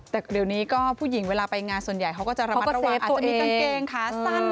แต่เดี๋ยวนี้ก็ผู้หญิงเวลาไปงานส่วนใหญ่เขาก็จะระมัดระวังอาจจะมีกางเกงขาสั้น